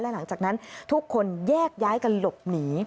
หลังจากนั้นทุกคนแยกย้ายกันหลบหนี